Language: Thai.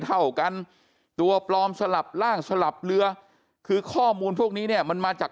เท่ากันตัวปลอมสลับร่างสลับเรือคือข้อมูลพวกนี้เนี่ยมันมาจาก